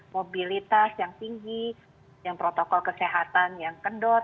mobilitas yang tinggi yang protokol kesehatan yang kendor